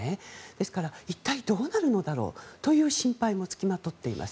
ですから、一体どうなるのだろうという心配もつきまとっています。